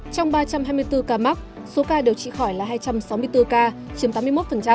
trong ba trăm hai mươi bốn ca mắc số ca điều trị khỏi là hai trăm sáu mươi bốn ca chiếm tám mươi một